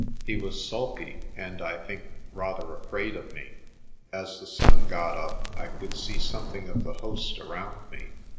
He was sulky and, I think, rather afraid of me. As the sun got up I could see something of the host around me.